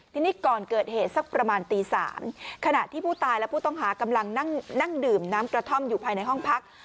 ทีนี้ก่อนเกิดเหตุสักประมาณตี๓ขณะที่ผู้ตายและผู้ต้องหากำลังนั่งดื่มน้ำกระท่อมอยู่ภายในห้องพัก